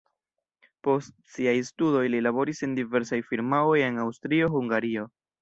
Post siaj studoj li laboris en diversaj firmaoj en Aŭstrio-Hungario.